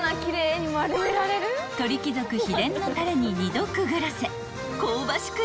［鳥貴族秘伝のたれに２度くぐらせ香ばしく